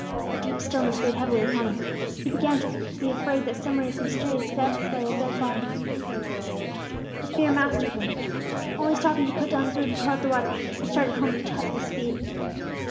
The deep stillness weighed heavily upon him; he began to be afraid that somewhere in its mysterious depths lay a dead body. The fear mastered him. Only stopping to put down the food and pour out the water, he started home at the top of his speed.